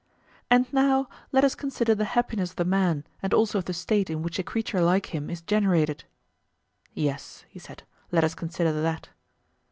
And now let us consider the happiness of the man, and also of the State in which a creature like him is generated. Yes, he said, let us consider that.